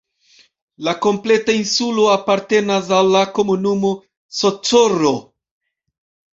La kompleta insulo apartenas al la komunumo Socorro.